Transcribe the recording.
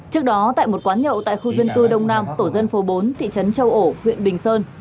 trước đó tại một quán nhậu tại khu dân cư đông nam tổ dân phố bốn thị trấn châu ổ huyện bình sơn